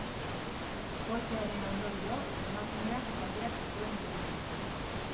Kolpearen ondorioz, emakumeak zauriak zituen begian.